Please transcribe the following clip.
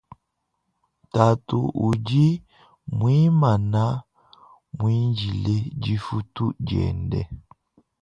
Tatu udi muimana muindile difutu diende.